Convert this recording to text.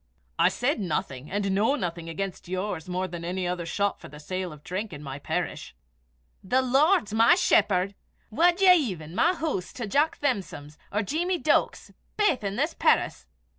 "I said nothing, and know nothing, against yours more than any other shop for the sale of drink in my parish." "The Lord's my shepherd! Wad ye even (compare) my hoose to Jock Thamson's or Jeemie Deuk's, baith i' this perris?"